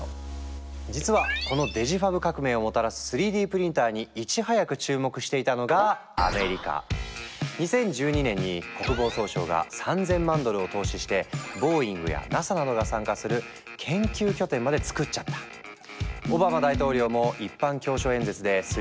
実はこのデジファブ革命をもたらす３Ｄプリンターにいち早く注目していたのが２０１２年に国防総省が３，０００万ドルを投資してボーイングやＮＡＳＡなどが参加する研究拠点までつくっちゃった！と宣言。